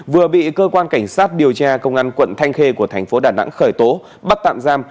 vừa bị cơ quan cảnh sát điều tra công an quận thanh khê của thành phố đà nẵng khởi tố bắt tạm giam